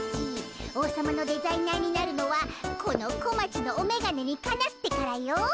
王様のデザイナーになるのはこの小町のおめがねにかなってからよ。